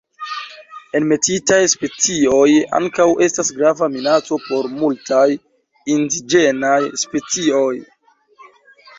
Enmetitaj specioj ankaŭ estas grava minaco por multaj indiĝenaj specioj.